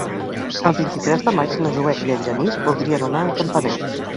El vint-i-tres de maig na Zoè i en Genís voldrien anar a Campanet.